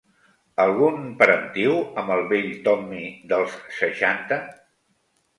Algun parentiu amb el vell Tommy dels seixanta?